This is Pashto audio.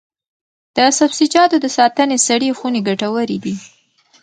د سبزیجاتو د ساتنې سړې خونې ګټورې دي.